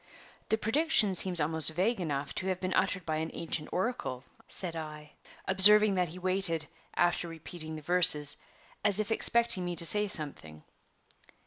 "The prediction seems almost vague enough to have been uttered by an ancient oracle," said I, observing that he waited, after repeating the verses, as if expecting me to say something.